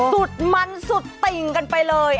สุดมันสุดติ่งกันไปเลย